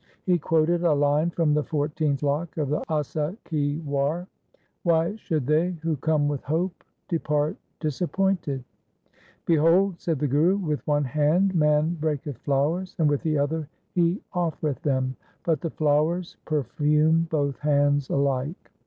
He quoted a line from the fourteenth slok of the Asa ki War, Why should they who come with hope depart dis appointed ?' Behold,' said the Guru, ' with one hand man breaketh flowers, and with the other he offereth them, but the flowers perfume both hands alike.